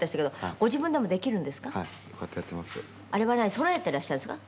「そろえてらっしゃるんですか？」